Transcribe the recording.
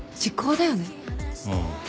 ああ。